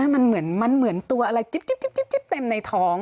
มันเหมือนตัวอะไรจิ๊บเต็มในท้อง